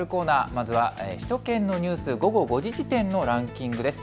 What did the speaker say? まずは首都圏のニュース、午後５時時点のランキングです。